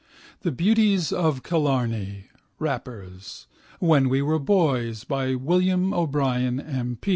The Beauties of Killarney (wrappers). When We Were Boys by William O'Brien M.